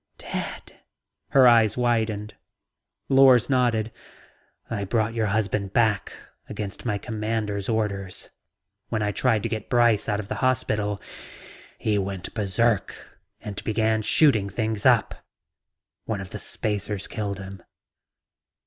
"Dead?" Her eyes widened. Lors nodded. "I brought your husband back against my Commander's orders. When I tried to get Brice out of the hospital, he went berserk and began shooting things up. One of the spacers killed him."